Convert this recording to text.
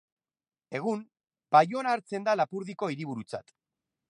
Egun, Baiona hartzen da Lapurdiko hiriburutzat.